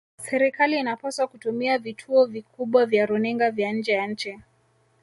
serikali inapaswa kutumia vituo vikubwa vya runinga vya nje ya nchi